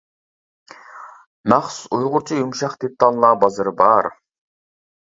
مەخسۇس ئۇيغۇرچە يۇمشاق دېتاللار بازىرى بار.